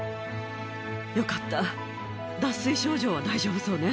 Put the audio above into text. よかった脱水症状は大丈夫そうね。